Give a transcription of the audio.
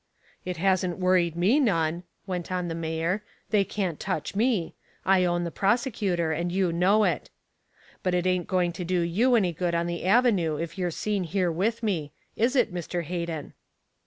"It hasn't worried me none," went on the mayor. "They can't touch me. I own the prosecutor, and you know it. But it ain't going to do you any good on the avenue if you're seen here with me. Is it, Mr. Hayden?"